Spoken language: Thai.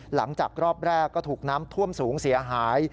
หลังจากรอบแรกก็ถูกน้ำท่วมสูงเสียหาย